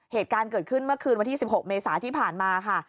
เหตุการณ์เกิดขึ้นเมื่อคืนวันที่๑๖เมษาที่ผ่านมาค่ะ